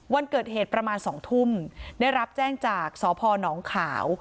วันเกิดเหตุประมาณ๒ทุ่มได้รับแจ้งจากสพนขาว